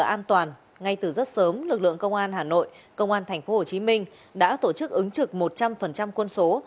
an toàn ngay từ rất sớm lực lượng công an hà nội công an tp hcm đã tổ chức ứng trực một trăm linh quân số